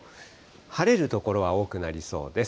晴れる所は多くなりそうです。